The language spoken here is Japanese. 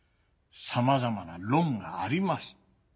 さまざまな論があります。